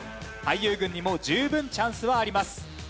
俳優軍にも十分チャンスはあります。